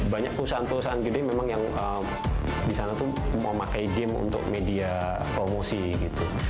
banyak perusahaan perusahaan gede memang yang di sana tuh mau pakai game untuk media promosi gitu